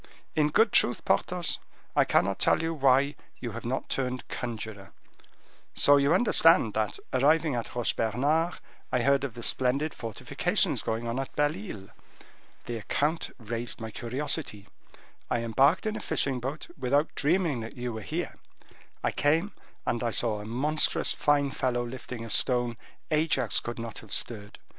In good truth, Porthos, I cannot tell why you have not turned conjuror. So you understand that, arriving at Roche Bernard, I heard of the splendid fortifications going on at Belle Isle. The account raised my curiosity, I embarked in a fishing boat, without dreaming that you were here: I came, and I saw a monstrous fine fellow lifting a stone Ajax could not have stirred.